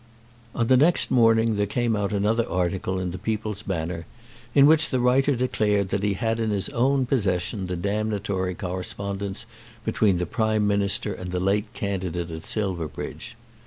On the next morning there came out another article in the "People's Banner," in which the writer declared that he had in his own possession the damnatory correspondence between the Prime Minister and the late candidate at Silverbridge.